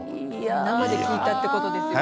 生で聞いたってことですよね？